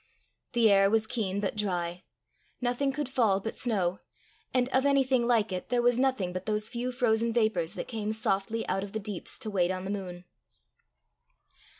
The air was keen but dry. Nothing could fall but snow; and of anything like it there was nothing but those few frozen vapours that came softly out of the deeps to wait on the moon.